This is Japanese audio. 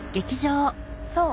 そう。